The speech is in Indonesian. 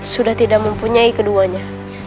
sudah tidak mempunyai keduanya